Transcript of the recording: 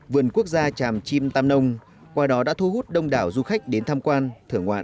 vườn quốc gia tràm chim tam nông qua đó đã thu hút đông đảo du khách đến tham quan thưởng ngoạn